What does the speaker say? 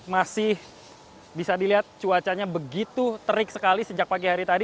masih bisa dilihat cuacanya begitu terik sekali sejak pagi hari tadi